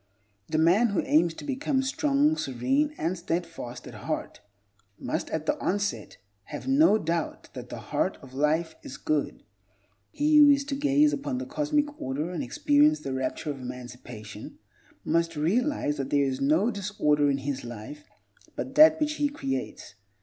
The man who aims to become strong, serene, and steadfast at heart must, at the onset, have no doubt that the Heart of Life is good. He who is to gaze upon the Cosmic Order and experience the rapture of emancipation must realize that there is no disorder in his life but that which he creates.